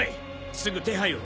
すぐ手配を。